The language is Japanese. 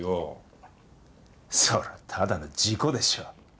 そりゃただの事故でしょう。